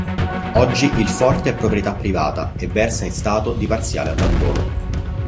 Oggi il forte è proprietà privata e versa in stato di parziale abbandono.